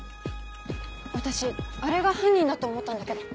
私あれが犯人だと思ったんだけど。